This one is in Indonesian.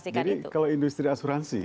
ya jadi kalau industri asuransi